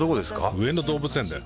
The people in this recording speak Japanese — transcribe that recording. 上野動物園だよ。